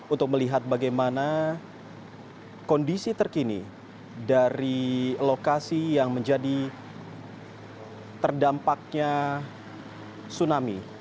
untuk melihat bagaimana kondisi terkini dari lokasi yang menjadi terdampaknya tsunami